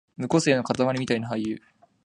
無個性のかたまりみたいな俳優